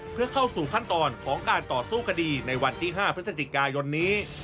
เพื่อเข้าสู่ขั้นตอนของการต่อสู้คดีในวันที่๕พฤศจิกายนนี้